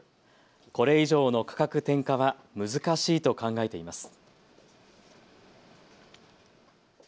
これ以上の価格転嫁は難しいと考えています。